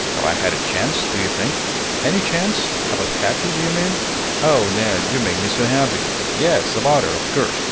Have I any chance, do you think?" "Any chance? about Katy, do you mean? Oh, Ned, you make me so happy." "Yes; about her, of course."